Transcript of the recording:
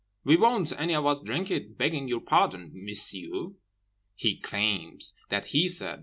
"We won't any of us drink it, begging your pardon, Messieurs," he claims that he said.